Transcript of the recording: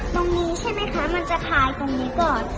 ตรงนี้ใช่ไหมคะมันจะทายตรงนี้ก่อน